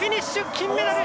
金メダル！